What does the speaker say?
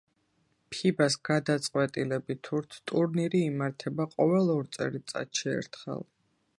ფიბას გადაწყვეტილებით ტურნირი იმართება ყოველ ორ წელიწადში ერთხელ.